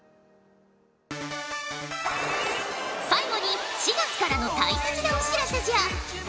最後に４月からの大切なお知らせじゃ。